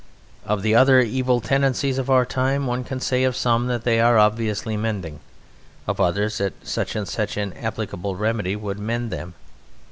Of other evil tendencies of our time, one can say of some that they are obviously mending, of others that such and such an applicable remedy would mend them.